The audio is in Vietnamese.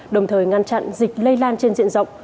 đồng thời ngăn chặn dịch lây lan trên diện rộng